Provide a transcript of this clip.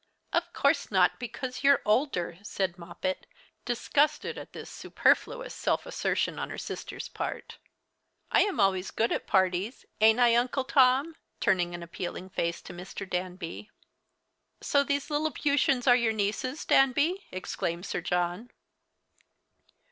"Of course not, because you're older," said Moppet, disgusted at this superfluous self assertion on her sister's part. "I am always good at parties ain't I, Uncle Tom?" turning an appealing face to Mr. Danby. "So these Lilliputians are your nieces, Danby!" exclaimed Sir John.